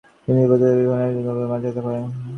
তিনি তিব্বতের বিভিন্ন স্থানের বৌদ্ধবিহারে যাত্রা করেন।